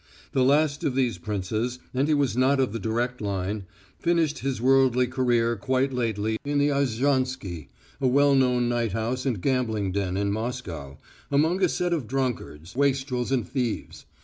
The last of these princes, and he was not of the direct line, finished his worldly career quite lately in the Arzhansky, a well known night house and gambling den in Moscow, among a set of drunkards, wastrels and thieves.